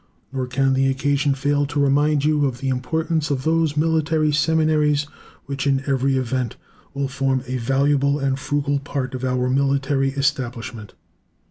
Nor can the occasion fail to remind you of the importance of those military seminaries which in every event will form a valuable and frugal part of our military establishment.